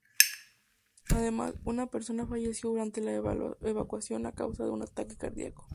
Además, una persona falleció durante la evacuación a causa de un ataque cardíaco.